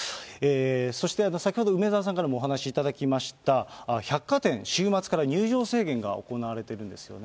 そして、先ほど梅沢さんからもお話しいただきました、百貨店、週末から入場制限が行われているんですよね。